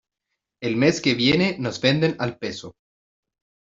El mes que viene nos venden al peso.